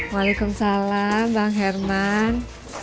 waalaikumsalam bang herman